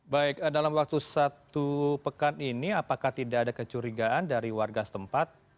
baik dalam waktu satu pekan ini apakah tidak ada kecurigaan dari warga setempat